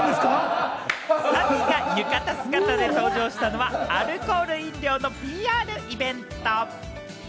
３人が浴衣姿で登場したのはアルコール飲料のＰＲイベント。